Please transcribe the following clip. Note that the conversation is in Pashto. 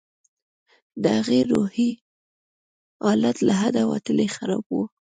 د هغې روحي حالت له حده وتلى خراب و.